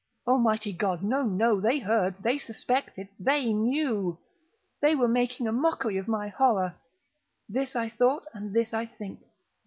Almighty God!—no, no! They heard!—they suspected!—they knew!—they were making a mockery of my horror!—this I thought, and this I think.